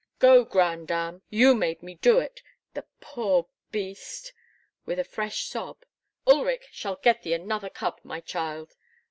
"Go, grandame; you made me do it, the poor beast!" with a fresh sob. "Ulrich shall get thee another cub, my child."